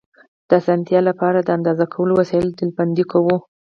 د اسانتیا لپاره د اندازه کولو وسایل ډلبندي کوو.